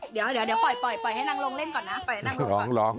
เดี๋ยวปล่อยให้นางโรงเล่นก่อนนะ